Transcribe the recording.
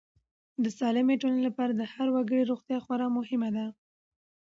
د سالمې ټولنې لپاره د هر وګړي روغتیا خورا مهمه ده.